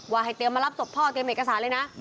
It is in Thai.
ว่าให้เตรียมมารับศพพ่อเก็บเหมือนเอกสารเลยนะ